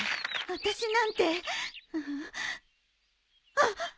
あっ！